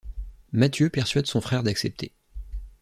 Mathieu persuade son frère d'accepter.